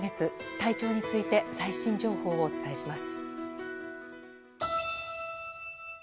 体調について最新情報をお伝えします。